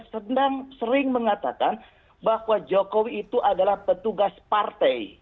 saya sering mengatakan bahwa jokowi itu adalah petugas partai